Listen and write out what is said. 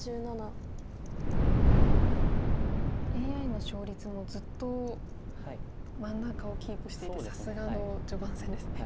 ＡＩの勝率もずっと真ん中をキープしていてさすがの序盤戦ですね。